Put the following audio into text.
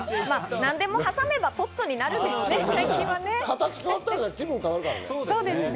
何でも挟めば、トッツォになるんですね。